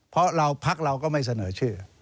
เพราะพักเราก็ไม่เสนอชื่อ